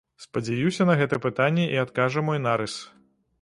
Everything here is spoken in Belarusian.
Спадзяюся, на гэта пытанне і адкажа мой нарыс.